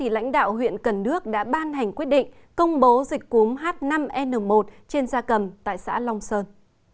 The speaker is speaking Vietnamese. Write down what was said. bàn chỉ đạo huyện cần đước đã ban hành quyết định công bố dịch cúm h năm n một trên da cầm tại xã long sơn